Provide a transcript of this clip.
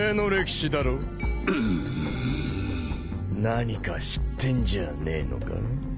何か知ってんじゃねえのか？